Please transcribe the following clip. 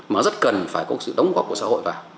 mà rất cần phải có sự đóng góp của xã hội vào